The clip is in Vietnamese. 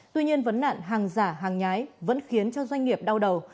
tuy nhiên vấn nạn hàng giả hàng nhái vẫn khiến cho doanh nghiệp đau đầu